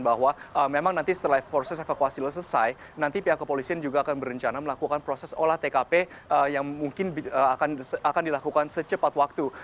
bahwa memang nanti setelah proses evakuasi selesai nanti pihak kepolisian juga akan berencana melakukan proses olah tkp yang mungkin akan dilakukan secepat waktu